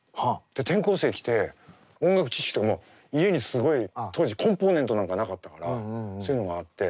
転校生来て音楽知識とかも家にすごい当時コンポーネントなんかなかったからそういうのがあって。